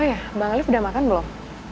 oh ya bang alif udah makan belum